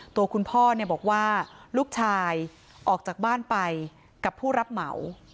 ตัวคุณพ่อบอกว่าลูกชายออกจากบ้านไปกับผู้รับเหมา